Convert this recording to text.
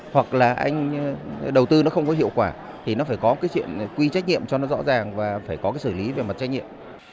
hoặc là anh đầu tư nó không có hiệu quả thì nó phải có cái chuyện quy trách nhiệm cho nó rõ ràng và phải có cái xử lý về mặt trách nhiệm